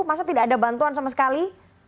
masa tidak ada bantuan sama sekali